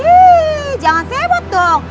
ih jangan sibuk dong